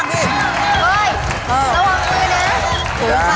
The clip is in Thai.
ระวังมือเนี่ย